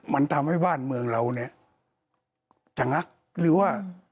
มันทำให้บ้านเมืองเราเนี่ยจะงักหรือว่า